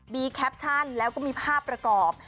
มีแคปชั่นแล้วก็มีภาพประกอบ